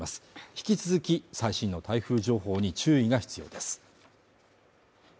引き続き最新の台風情報に注意が必要です